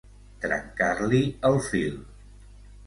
Trencar-li el fil.